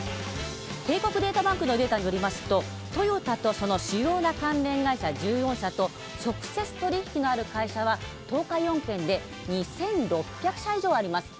帝国データバンクのデータによりますとトヨタとその主要な関連会社１４社と直接取り引きのある会社は東海４県で２，６００社以上あります。